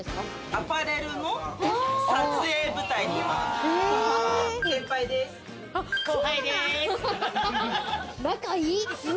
アパレルの撮影部隊してます。